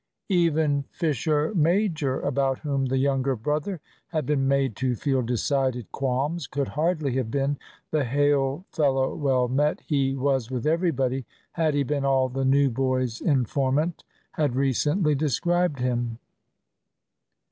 Even Fisher major, about whom the younger brother had been made to feel decided qualms, could hardly have been the hail fellow well met he was with everybody, had he been all the new boy's informant had recently described him.